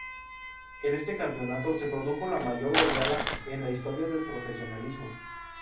En este campeonato se produjo la mayor goleada en la historia del profesionalismo.